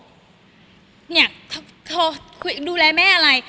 เนี่ยเขาดูแลแม่อะไร